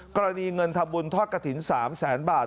กรณีเงินทำบุญทอดกระถิ่น๓แสนบาท